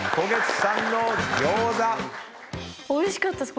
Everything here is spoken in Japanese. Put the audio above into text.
おいしかったです